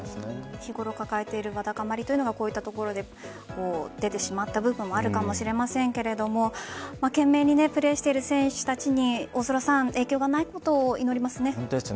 日頃抱えているわだかまりがこういったところで出てしまった部分もあるかもしれませんが懸命にプレーしている選手たちに影響がないことを祈りますね。